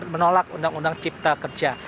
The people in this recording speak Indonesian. menolak undang undang cipta kerja